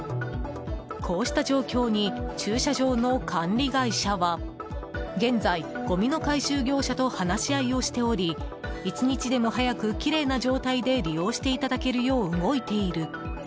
こうした状況に駐車場の管理会社は現在、ごみの回収業者と話し合いをしており１日でも早くきれいな状態で利用していただけるよう動いている。